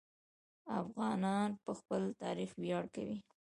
افغانان په خپل تاریخ ویاړ کوي.